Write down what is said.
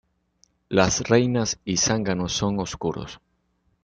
Las reinas y zánganos son oscuros.